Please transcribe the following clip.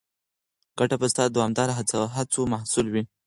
ګټه به ستا د دوامداره هڅو محصول وي.